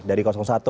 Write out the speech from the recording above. dari satu dua